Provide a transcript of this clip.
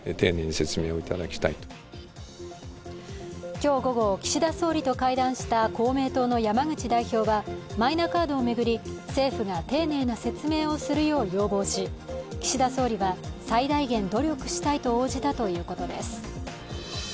今日午後、岸田総理と会談した公明党の山口代表はマイナカードを巡り、政府が丁寧な説明をするよう要望し、岸田総理は、最大限努力したいと応じたということです。